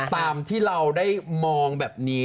ตามที่เราได้มองแบบนี้